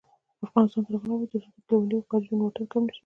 افغانستان تر هغو نه ابادیږي، ترڅو د کلیوالي او ښاري ژوند واټن کم نشي.